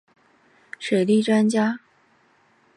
水利专家。